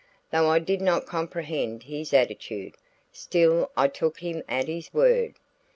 Though I did not comprehend his attitude, still I took him at his word.